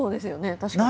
確かに。